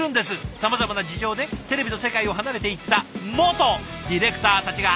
さまざまな事情でテレビの世界を離れていった元ディレクターたちが。